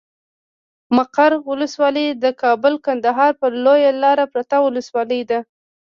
مقر ولسوالي د کابل کندهار پر لويه لاره پرته ولسوالي ده.